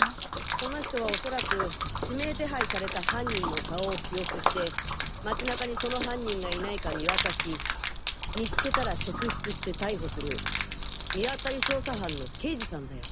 この人はおそらく指名手配された犯人の顔を記憶して街中にその犯人がいないか見渡し見つけたら職質して逮捕する見当たり捜査班の刑事さんだよ。